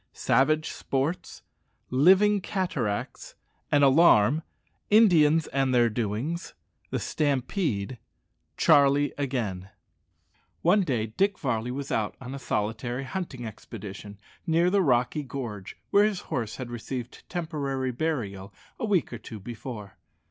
Savage sports Living cataracts An alarm Indians and their doings The stampede Charlie again. One day Dick Varley was out on a solitary hunting expedition near the rocky gorge where his horse had received temporary burial a week or two before.